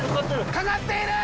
掛かっている！